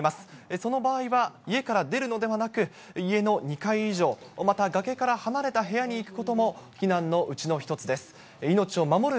その場合は家から出るのではなく、家の２階以上、また崖から離れた部屋に行くことも避難のうちの一つです。